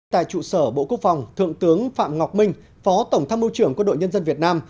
tại trụ sở bộ quốc phòng thượng tướng phạm ngọc minh phó tổng tham mưu trưởng quân đội nhân dân việt nam